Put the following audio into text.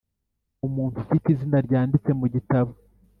Umuntu Ufite Izina Ryanditse Mu Gitabo